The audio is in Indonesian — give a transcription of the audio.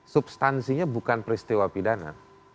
substansinya bukan peristiwa pidana